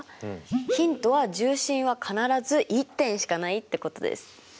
ヒントは重心は必ず１点しかないってことです。